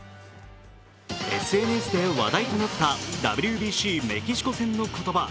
ＳＮＳで話題となったＷＢＣメキシコ戦の言葉。